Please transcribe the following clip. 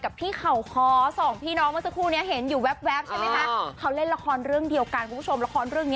กลับที่เขาขอส่องพี่น้องมันสักครู่เนี้ยเห็นอยู่แว๊บเขาเล่นละครเรื่องเดียวกัน